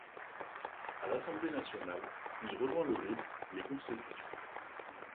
À l’Assemblée nationale, il rejoint le groupe Les Constructifs.